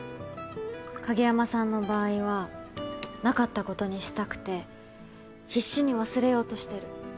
影山さんの場合はなかったことにしたくて必死に忘れようとしてる。